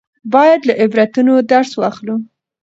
باید له عبرتونو درس واخلو.